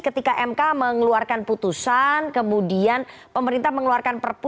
ketika mk mengeluarkan putusan kemudian pemerintah mengeluarkan perpu